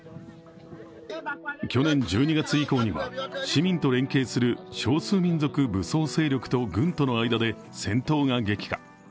去年１２月以降には市民と連携する少数民族武装勢力と軍との間で戦闘が激化。